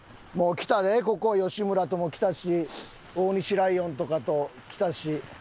来たでここ吉村とも来たし大西ライオンとかと来たし。